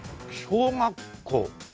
小学校？